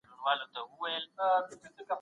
موږ د ډيموکراټيک نظام غوښتنه کوو.